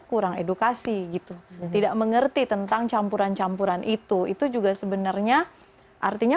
kurang edukasi gitu tidak mengerti tentang campuran campuran itu itu juga sebenarnya artinya